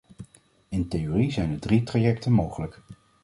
In theorie zijn er drie trajecten mogelijk.